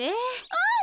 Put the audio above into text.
うん！